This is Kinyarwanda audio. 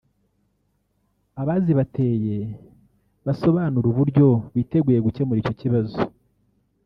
abazibateye basobanure uburyo biteguye gukemura icyo kibazo